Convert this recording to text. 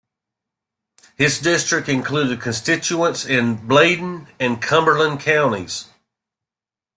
His district included constituents in Bladen and Cumberland counties.